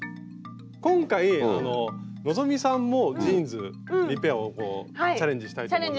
今回希さんもジーンズリペアをこうチャレンジしたいと思うんですけど。